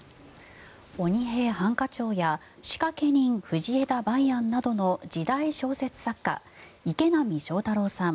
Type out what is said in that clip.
「鬼平犯科帳」や「仕掛け人・藤枝梅安」などの時代小説作家、池波正太郎さん